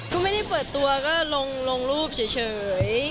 ก็ไม่ได้เปิดตัวก็ลงรูปเฉย